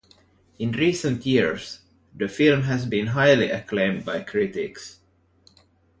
In recent years, the film has been highly acclaimed by critics.